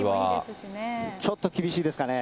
ちょっと厳しいですかね。